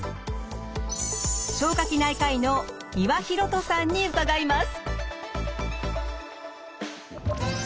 消化器内科医の三輪洋人さんに伺います。